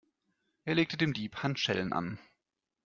Er legte dem Dieb Handschellen an.